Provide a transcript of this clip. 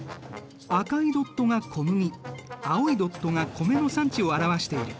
赤いドットが小麦青いドットが米の産地を表している。